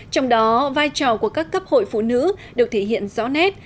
trong đó vai trò của các cấp hội phụ nữ được thể hiện rõ nét